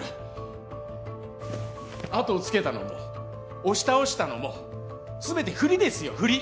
あとをつけたのも押し倒したのも全てふりですよふり。